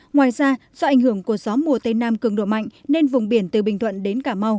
ngoài ra do ảnh hưởng của gió mùa tây nam cường độ mạnh nên vùng biển từ bình thuận đến cà mau